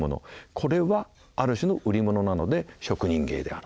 これはある種の売り物なので職人芸であろう」。